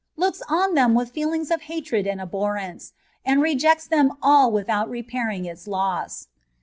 looks on them wìth feelìngs of hatred axid abbor * rence, and rejects them ali without repairing ita loss.